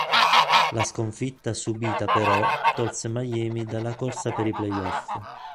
La sconfitta subita però tolse Miami dalla corsa per i playoff.